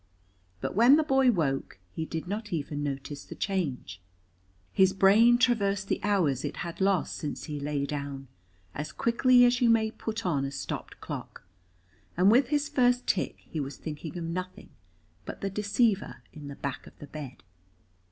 But when the boy woke he did not even notice the change; his brain traversed the hours it had lost since he lay down as quickly as you may put on a stopped clock, and with his first tick he was thinking of nothing but the deceiver in the back of the bed.